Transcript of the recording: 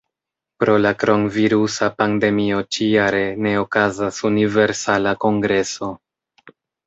Pro la kronvirusa pandemio ĉi-jare ne okazas Universala Kongreso.